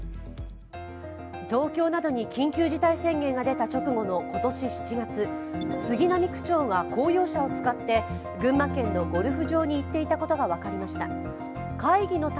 東京などに緊急事態宣言が出た直後の今年７月杉並区長が公用車を使って群馬県のゴルフ場に行っていたことが分かりました。